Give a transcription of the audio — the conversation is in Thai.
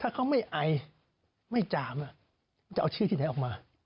ถ้าเขาไม่ไอไม่จามจะเอาชื่อที่ไหนออกมา